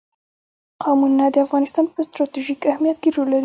قومونه د افغانستان په ستراتیژیک اهمیت کې رول لري.